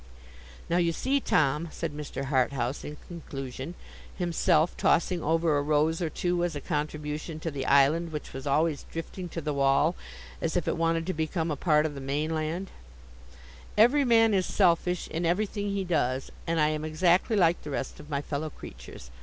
'Now, you see, Tom,' said Mr. Harthouse in conclusion, himself tossing over a rose or two, as a contribution to the island, which was always drifting to the wall as if it wanted to become a part of the mainland: 'every man is selfish in everything he does, and I am exactly like the rest of my fellow creatures.